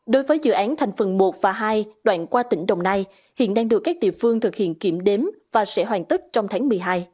đối với dự án thành phần một và hai đoạn qua tỉnh đồng nai hiện đang được các địa phương thực hiện kiểm đếm và sẽ hoàn tất trong tháng một mươi hai